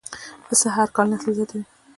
پسه هر کال نسل زیاتوي.